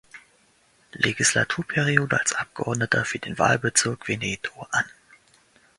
Legislaturperiode als Abgeordneter für den Wahlbezirk Veneto an.